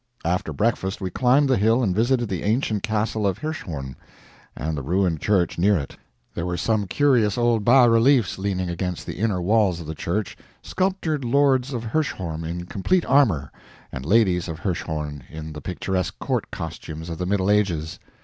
After breakfast we climbed the hill and visited the ancient castle of Hirschhorn, and the ruined church near it. There were some curious old bas reliefs leaning against the inner walls of the church sculptured lords of Hirschhorn in complete armor, and ladies of Hirschhorn in the picturesque court costumes of the Middle Ages.